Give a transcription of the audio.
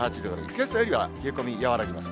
けさよりは冷え込み和らぎます。